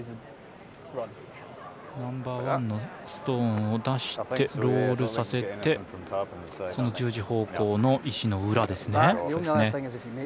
ナンバーワンのストーンを出してロールさせて１０時方向の石の裏ですね。